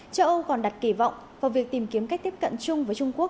châu âu còn đặt kỳ vọng vào việc tìm kiếm cách tiếp cận chung với trung quốc